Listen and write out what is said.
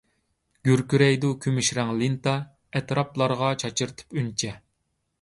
گۈركىرەيدۇ كۈمۈش رەڭ لېنتا، ئەتراپلارغا چاچرىتىپ ئۈنچە.